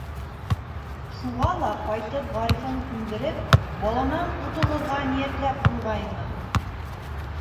Шуға ла ҡайтып Ғарифын күндереп, баланан ҡотолорға ниәтләп ҡуйғайны.